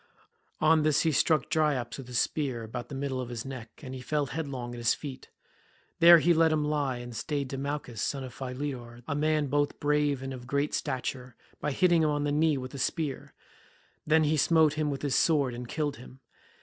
On this he struck Dryops with his spear, about the middle of his neck, and he fell headlong at his feet. There he let him lie and stayed Demouchus son of Philetor, a man both brave and of great stature, by hitting him on the knee with a spear; then he smote him with his sword and killed him.